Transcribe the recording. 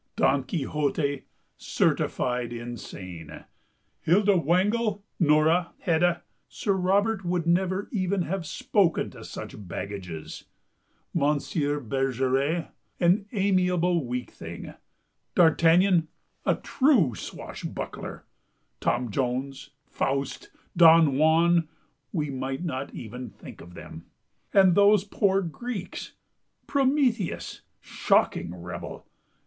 Don Quixote certified insane. Hilda Wangel, Nora, Hedda—Sir Robert would never even have spoken to such baggages! Mon sieur Bergeret—an amiable weak thing! D'Artagnan—a true swashbuckler! Tom Jones, Faust, Don Juan—we might not even think of them: And those poor Greeks: Prometheus —shocking rebel.